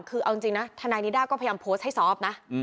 คือเอาจริงนะทนายนิด้าก็พยายามโพสต์ให้ซอฟต์นะ